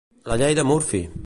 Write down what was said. La llei de Murphy.